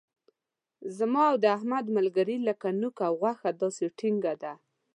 زما او د احمد ملګري لکه نوک او غوښه داسې ټینګه ده.